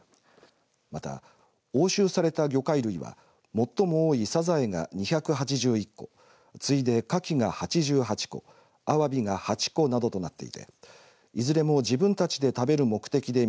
また押収された魚介類は最も多いサザエが２８１個、次いでカキが８８個、アワビが８個などとなっていていずれも自分たちで食べる目的で